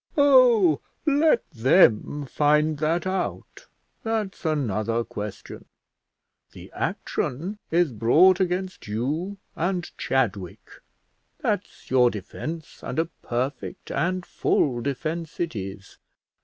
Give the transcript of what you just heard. "Oh, let them find that out; that's another question: the action is brought against you and Chadwick; that's your defence, and a perfect and full defence it is.